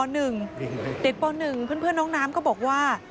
เด็กป๑เพื่อนน้องน้ำก็บอกว่า